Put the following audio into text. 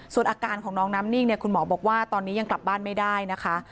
ส่วนอาการของน้องน้ำนิ่งเนี่ยคุณหมอบอกว่าตอนนี้ยังกลับบ้านไม่ได้นะคะ